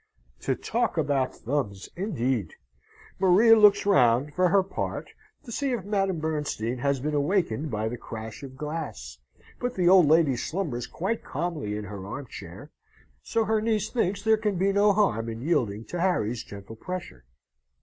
To talk about thumbs indeed!... Maria looks round, for her part, to see if Madame Bernstein has been awakened by the crash of glass; but the old lady slumbers quite calmly in her arm chair, so her niece thinks there can be no harm in yielding to Harry's gentle pressure.